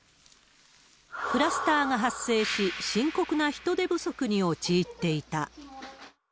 クラスターが発生し、深刻な人手不足に陥っていた。